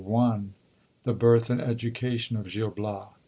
— The birth and education of Gil Bias.